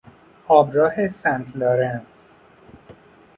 آبراه سنت لارنس